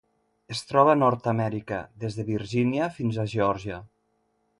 Es troba a Nord-amèrica: des de Virgínia fins a Geòrgia.